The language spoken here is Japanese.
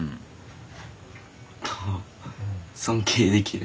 尊敬できる。